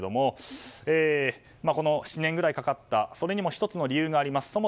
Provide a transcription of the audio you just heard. ７年ぐらいかかったそれにも１つの理由があります。